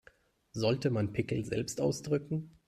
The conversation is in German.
Sollte man Pickel selbst ausdrücken?